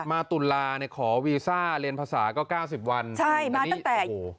มาตุลาเนี่ยขอวีซ่าเรียนภาษาก็เก้าสิบวันใช่มาตั้งแต่โอ้โห